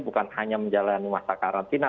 bukan hanya menjalani masa karantina